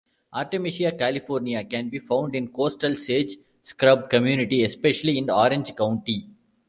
Artemisia californica can be found in Coastal sage scrub community, especially in Orange County.